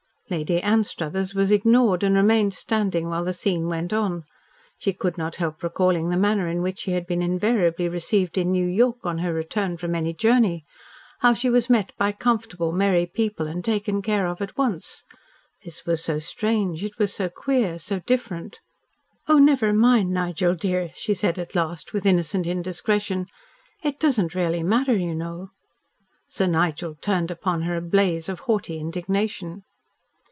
Lady Anstruthers was ignored and remained standing while the scene went on. She could not help recalling the manner in which she had been invariably received in New York on her return from any journey, how she was met by comfortable, merry people and taken care of at once. This was so strange, it was so queer, so different. "Oh, never mind, Nigel dear," she said at last, with innocent indiscretion. "It doesn't really matter, you know." Sir Nigel turned upon her a blaze of haughty indignation.